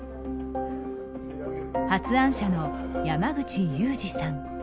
発案者の山口裕二さん。